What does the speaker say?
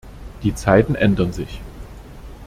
Die Zeiten ändern sich.